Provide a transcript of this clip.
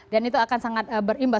dan itu akan sangat berimbas